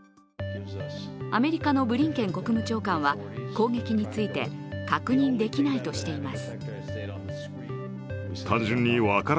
アメリカのブリンケン国務長官は攻撃について確認できないとしています。